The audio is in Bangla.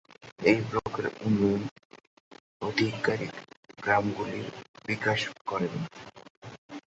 এই ব্লকের উন্নয়ন আধিকারিক গ্রামগুলির বিকাশ করেন।